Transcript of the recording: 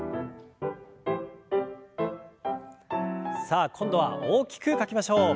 さあ今度は大きく書きましょう。